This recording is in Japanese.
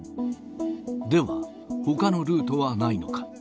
では、ほかのルートはないのか。